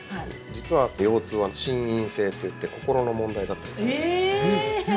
実は、腰痛は心因性といって心の問題だったりする。